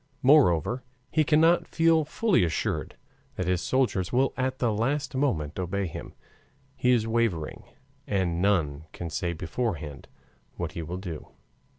Moreover, he cannot feel fully assured that his soldiers will at the last moment obey him. He is wavering, and none can say beforehand what he will do.